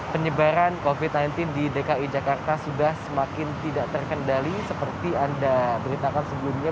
penyebaran covid sembilan belas di dki jakarta sudah semakin tidak terkendali seperti anda beritakan sebelumnya